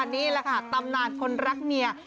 นี่แหละค่ะตำนานคนรักเมีย